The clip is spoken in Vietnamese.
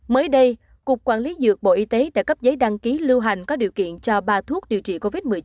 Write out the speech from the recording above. mới đây cục quản lý dược bộ y tế đã cấp giấy đăng ký lưu hành có điều kiện cho ba thuốc điều trị covid một mươi chín